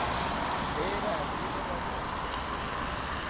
Tee rawiero ranashitya